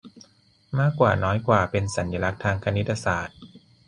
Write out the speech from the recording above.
มากกว่าน้อยกว่าเป็นสัญลักษณ์ทางคณิตศาสตร์